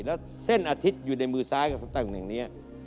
แล้วเส้นอาทิตย์อยู่ในมือซ้ายกับตัวอย่างนี้